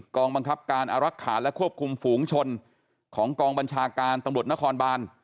กองบังคับการอารักษาและควบคุมฝูงชนของกองบัญชาการตำรวจนครบาน